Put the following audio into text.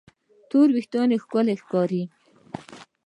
تور وېښتيان ښکلي ښکاري.